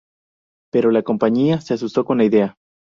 Pero la compañía se asustó con la idea.